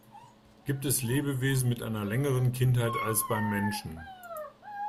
Gibt es Lebewesen mit einer längeren Kindheit als beim Menschen?